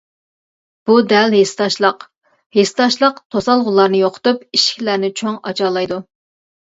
بۇ دەل ھېسداشلىق، ھېسداشلىق توسالغۇلارنى يوقىتىپ، ئىشىكلەرنى چوڭ ئاچالايدۇ.